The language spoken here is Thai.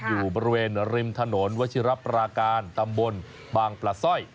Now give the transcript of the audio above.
อยู่บริเวณริมถนนวชิรับราการตำบลบางปลาสร้อย